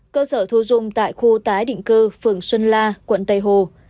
cơ sở thu dung tại khu tái định cư phường xuân la quận tây hồ